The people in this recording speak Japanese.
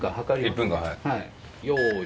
１分間はい用意